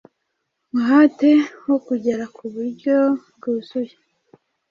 umuhate wo kugera ku buryo bwuzuye